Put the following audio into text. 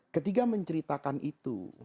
ketika menceritakan itu